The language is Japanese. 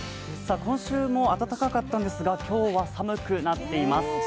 今週も暖かかったんですが今日は寒くなっています。